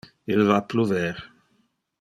Il va pluver.